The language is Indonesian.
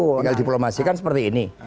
tinggal diplomasi kan seperti ini